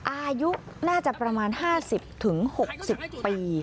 อายุน่าจะประมาณ๕๐๖๐ปี